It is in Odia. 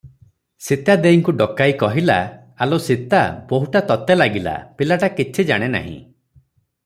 ସୀତା ଦେଈଙ୍କୁ ଡକାଇ କହିଲା, "ଆଲୋ ସୀତା, ବୋହୂଟା ତତେ ଲାଗିଲା, ପିଲାଟା କିଛି ଜାଣେ ନାହିଁ ।"